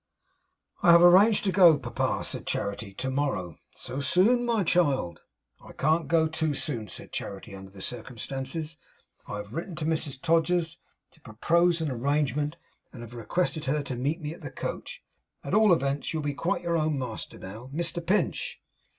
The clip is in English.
'I have arranged to go, Papa,' said Charity, 'to morrow.' 'So soon, my child!' 'I can't go too soon,' said Charity, 'under the circumstances. I have written to Mrs Todgers to propose an arrangement, and have requested her to meet me at the coach, at all events. You'll be quite your own master now, Mr Pinch!